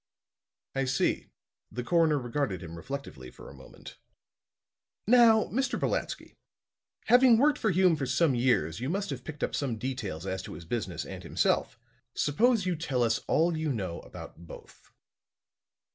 "I see." The coroner regarded him reflectively for a moment. "Now, Mr. Brolatsky, having worked for Hume for some years, you must have picked up some details as to his business and himself. Suppose you tell us all you know about both."